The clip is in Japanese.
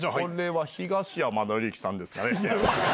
東山紀之さんですかね。